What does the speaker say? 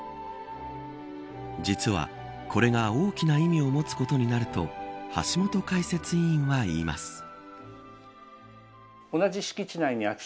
実は、これが大きな意味を持つことになると橋本解説委員はいいます。